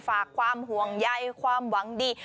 ฝากความห่วงใยความหวังดี